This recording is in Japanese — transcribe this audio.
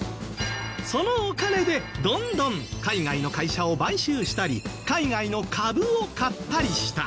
そのお金でどんどん海外の会社を買収したり海外の株を買ったりした。